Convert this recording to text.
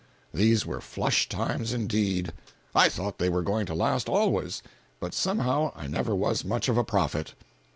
These were "flush times" indeed! I thought they were going to last always, but somehow I never was much of a prophet.